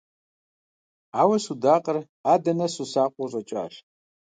Ауэ судакъыр адэ нэсу, сакъыу къыщӀэкӀащ.